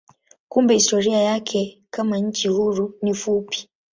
Kumbe historia yake kama nchi huru ni fupi.